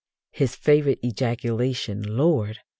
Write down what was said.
"His favourite ejaculation, 'Lord!'